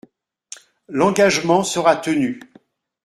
L’engagement sera tenu.